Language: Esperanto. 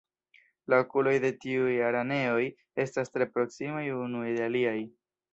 La okuloj de tiuj araneoj estas tre proksimaj unuj de aliaj.